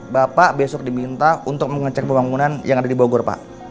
bapak besok diminta untuk mengecek pembangunan yang ada di bogor pak